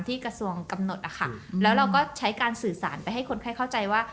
แถมสื่อสารให้คนเข้าใจว่า